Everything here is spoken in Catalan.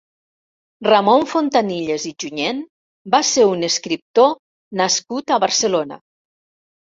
Ramon Fontanilles i Junyent va ser un escriptor nascut a Barcelona.